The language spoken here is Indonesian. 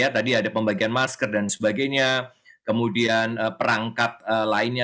tadi ada pembagian masker dan sebagainya kemudian perangkat lainnya